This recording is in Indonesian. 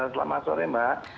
selamat sore mbak